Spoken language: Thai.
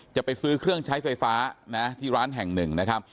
จะไปซื้อเครื่องใช้ไฟฟ้านะที่ร้านแห่งหนึ่งนะครับ